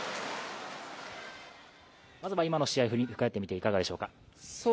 まずは今の試合振り返ってみていかがでしょうか。